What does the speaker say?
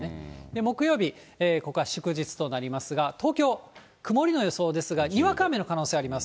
木曜日、ここは祝日となりますが、東京、曇りの予想ですが、にわか雨の可能性あります。